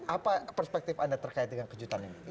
apa perspektif anda terkait dengan kejutan ini